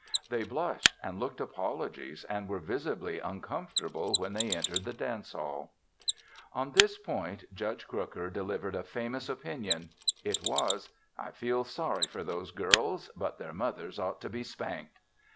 They blushed and looked apologies and were visibly uncomfortable when they entered the dance hall. On this point, Judge Crooker delivered a famous opinion. It was: "I feel sorry for those girls but their mothers ought to be spanked!"